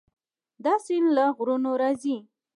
دا سیند له غرونو راځي.